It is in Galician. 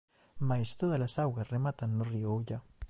Mais tódalas augas rematan no río Ulla.